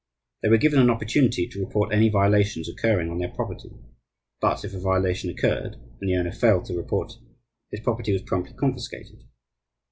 They were given an opportunity to report any violations occurring on their property; but if a violation occurred, and the owner failed to report, his property was promptly confiscated.